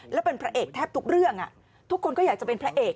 แล้วเป็นพระเอกแทบทุกเรื่องทุกคนก็อยากจะเป็นพระเอก